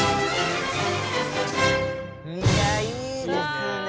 いやいいですね。